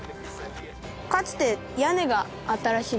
かつて屋根があったらしいです